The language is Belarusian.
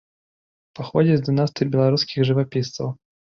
Паходзіць з дынастыі беларускіх жывапісцаў.